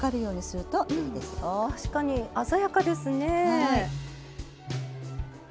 確かに鮮やかですねえ。